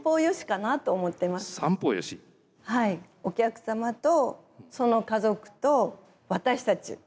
お客様とその家族と私たち